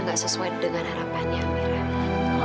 gak sesuai dengan harapannya mira